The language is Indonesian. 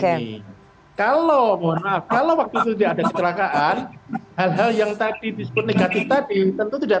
hai kalau mau kalau waktu sudah ada kecelakaan hal hal yang tadi disuruh negatif tadi tentu tidak